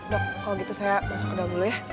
dok kalau gitu saya masuk kedai dulu ya